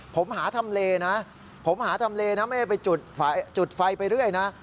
ผมหาทำเลนะไม่ได้ไปจุดไฟไปเรื่อยนะ